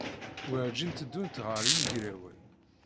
Werǧin tteddunt ɣer yigrawen.